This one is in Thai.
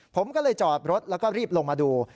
ผมก็เลยจอดรถแล้วก็รีบลงมาดู